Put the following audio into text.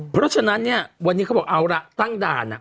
เพราะฉะนั้นเนี้ยก็บอกเอาละตั้งด่านอ่ะ